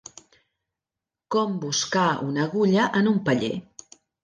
Com buscar una agulla en un paller.